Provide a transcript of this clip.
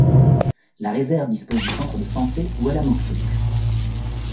La réserve dispose du centre de santé Wel-a-mook-took.